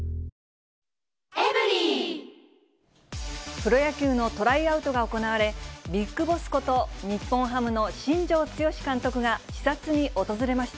プロ野球のトライアウトが行われ、ビッグボスこと、日本ハムの新庄剛志監督が、視察に訪れました。